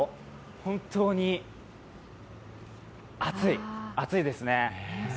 本当に暑いですね。